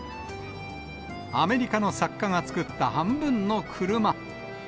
アメリカの作家が作った半分の車。